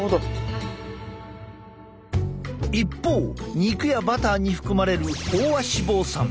一方肉やバターに含まれる飽和脂肪酸。